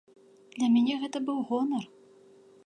Для мяне гэта быў гонар.